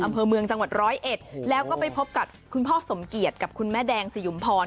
อำเภอเมืองจังหวัดร้อยเอ็ดแล้วก็ไปพบกับคุณพ่อสมเกียจกับคุณแม่แดงสยุมพร